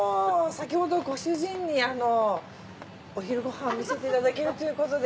先ほどご主人にお昼ご飯見せていただけるということで。